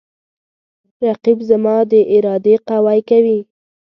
رقیب زما د ارادې قوی کوي